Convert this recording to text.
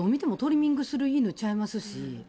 どんどんトリミングする犬ちゃいますし。